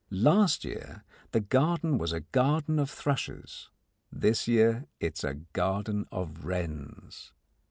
Last year the garden was a garden of thrushes: this year it is a garden of wrens.